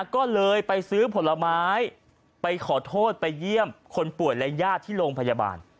ก็เลยไปซื้อผลไม้ไปขอโทษไปเยี่ยมคนป่วยและญาติที่โรงพยาบาล